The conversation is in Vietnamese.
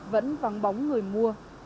vẫn vắng bóng người mua